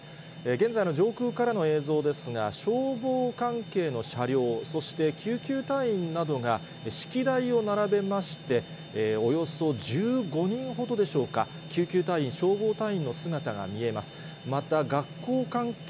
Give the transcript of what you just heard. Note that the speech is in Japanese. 現在の上空からの映像ですが、消防関係の車両、そして救急隊員などがしき台を並べまして、およそ１５人ほどでしょうか、救急隊員、消防隊員の姿が見えました。